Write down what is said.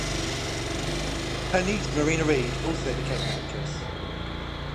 Her niece Marina Ried also became an actress.